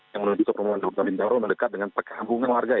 yang menuju ke perumahan dokter bintaro mendekat dengan perkampungan warga